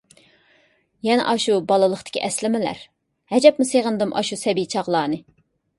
يەنە ئاشۇ بالىلىقتىكى ئەسلىمىلەر، ھەجەپمۇ سېغىندىم ئاشۇ سەبىي چاغلارنى...